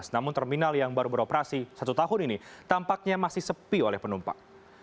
namun terminal yang baru beroperasi satu tahun ini tampaknya masih sepi oleh penumpang